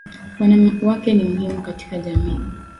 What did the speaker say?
Wanawake ni mhimu katika jamii.